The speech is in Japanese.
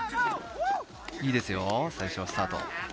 いいです、最初のスタート。